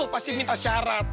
pasti minta syarat